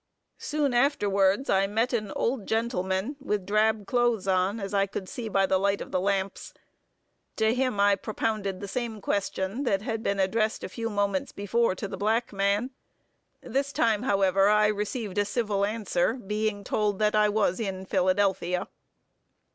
Soon afterwards I met an old gentleman, with drab clothes on, as I could see by the light of the lamps. To him I propounded the same question, that had been addressed a few moments before to the black man. This time, however, I received a civil answer, being told that I was in Philadelphia.